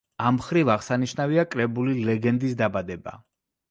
ამ მხრივ აღსანიშნავია კრებული „ლეგენდის დაბადება“.